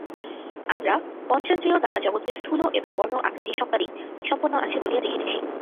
আমরা পঞ্চেন্দ্রিয় দ্বারা জগৎকে স্থূল, এবং বর্ণ-আকৃতি-শব্দাদি সম্পন্ন আছে বলিয়া দেখিতেছি।